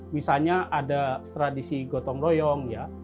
misalnya ada tradisi gotong royong ya